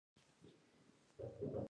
ایا وزن مو په چټکۍ کم شوی دی؟